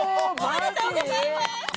おめでとうございます！